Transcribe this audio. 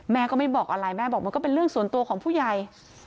แม่ก็ไม่บอกอะไรแม่บอกมันก็เป็นเรื่องส่วนตัวของผู้ใหญ่